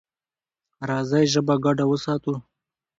راځئ ژبه ګډه وساتو.